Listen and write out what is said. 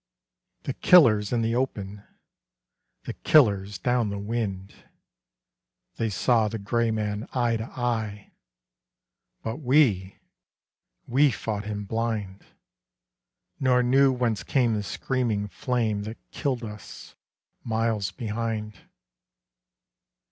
The Killers in the Open, The Killers down the Wind, They saw the Gray Man eye to eye But we, we fought him blind, Nor knew whence came the screaming flame That killed us, miles behind.